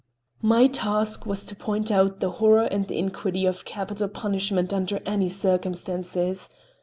My task was to point out the horror and the iniquity of capital punishment under any circumstances.